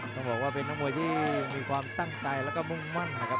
ต้องบอกว่าเป็นนักมวยที่มีความตั้งใจแล้วก็มุ่งมั่นนะครับ